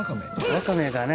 ワカメだね。